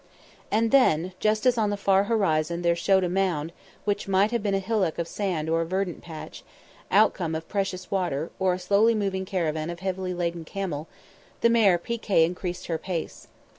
And then, just as on the far horizon there showed a mound which might have been a hillock of sand or a verdant patch, outcome of precious water, or a slowly moving caravan of heavily laden camel, the mare Pi Kay increased her pace.